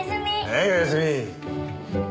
はいおやすみ。